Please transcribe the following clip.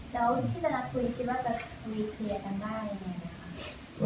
แล้วที่สัญลักษณ์คุณคิดว่าจะคุยเครียดกันได้ยังไงครับ